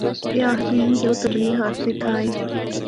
اے آخدے ہن کہ او تبلیغ اسطے اِتھا آئے۔